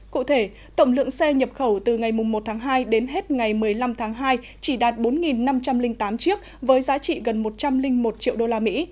cụ thể tổng lượng xe nhập khẩu từ ngày một tháng hai đến hết ngày một mươi năm tháng hai chỉ đạt bốn năm trăm linh tám chiếc với giá trị gần một trăm linh một triệu đô la mỹ